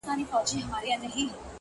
که آرام غواړې. د ژوند احترام وکړه.